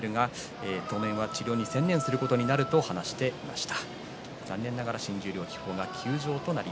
当分は治療に専念することになるということを話していました。